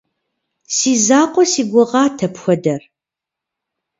Си закъуэ си гугъат апхуэдэр.